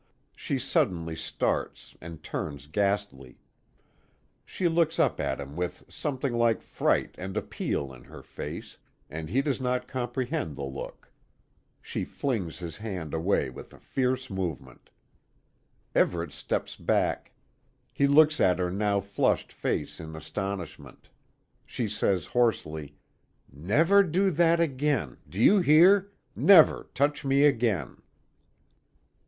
She suddenly starts, and turns ghastly. She looks up at him with something like fright and appeal in her face, and he does not comprehend the look. She flings his hand away with a fierce movement. Everet steps back. He looks at her now flushed face in astonishment. She says hoarsely: "Never do that again. Do you hear? Never touch me again!"